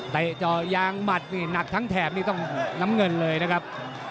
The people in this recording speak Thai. เจาะยางหมัดนี่หนักทั้งแถบนี่ต้องน้ำเงินเลยนะครับ